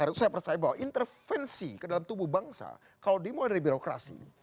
harus saya percaya bahwa intervensi ke dalam tubuh bangsa kalau dimulai dari birokrasi